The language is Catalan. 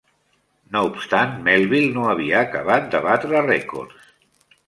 No obstant, Melville no havia acabat de batre rècords.